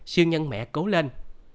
siêu nhân mẹ cố lên